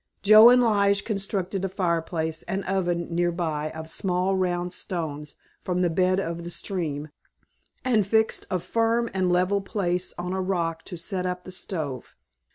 Joe and Lige constructed a fireplace and oven near by of small round stones from the bed of the stream, and fixed a firm and level place on a rock to set up the stove.